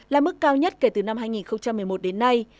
là mức cao nhất kể từ năm hai nghìn một mươi một đến nay